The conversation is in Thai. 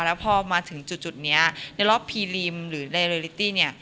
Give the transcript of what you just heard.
แล้วพอมาถึงจุดจุดเนี้ยในรอบพีรีมหรือเนี้ย